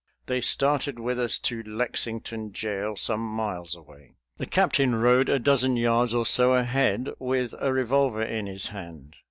They started with us to Lexington jail, some miles away. The captain rode a dozen yards or so ahead, with a revolver in his hand.